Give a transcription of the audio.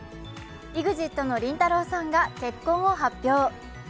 ＥＸＩＴのりんたろーさんが結婚を発表。